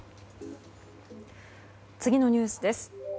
次のニュースです。